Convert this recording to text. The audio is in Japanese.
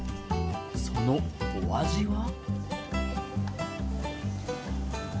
そのお味は？